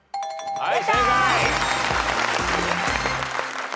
はい。